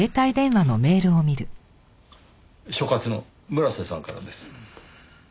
所轄の村瀬さんからです。